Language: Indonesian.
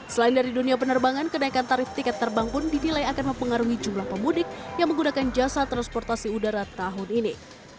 selain dari dunia penerbangan kenaikan tarif tiket terbang pun dinilai akan mempengaruhi jumlah pemudik yang menggunakan jasa transportasi udara tahun ini